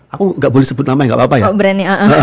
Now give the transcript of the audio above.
aku nggak boleh sebut namanya gak apa apa ya